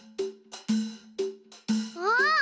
あっ！